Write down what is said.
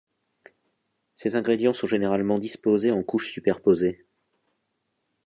Ces ingrédients sont généralement disposés en couches superposées.